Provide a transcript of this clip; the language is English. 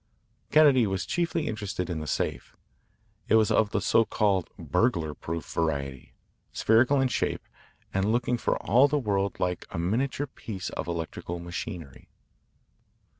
Kennedy was chiefly interested in the safe. It was of the so called "burglar proof" variety, spherical in shape, and looking for all the world like a miniature piece of electrical machinery.